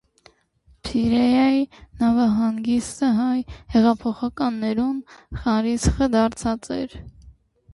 Փիրէայի նաւահանգիստը հայ յեղափոխականներուն խարիսխը դարձած էր։